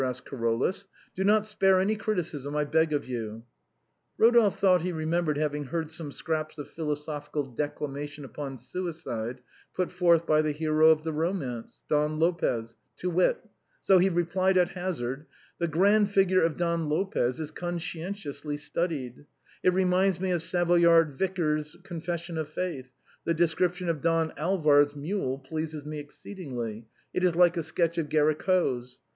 " asked Caro lus, " do not spare criticism, I beg of you." Eodolphe thought he remembered having heard some scraps of philosophical declamation upon suicide, put forth by the hero of the romance, Don Lopez, to wit ; so he replied at hazard: " The grand figure of Don Lopez is conscientiously studied ; it reminds me of the ' Savoyard Vicar's Confession of Faith ;' the description of Don Alvar's mule pleases me exceedingly; it is like a sketch of Géricault's.